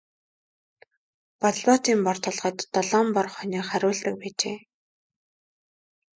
Болзоотын бор толгойд долоон бор хонио хариулдаг байжээ.